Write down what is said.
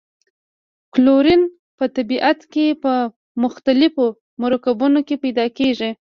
کلورین په طبیعت کې په مختلفو مرکبونو کې پیداکیږي.